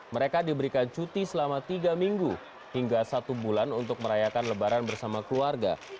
mereka diberikan cuti selama tiga minggu hingga satu bulan untuk merayakan lebaran bersama keluarga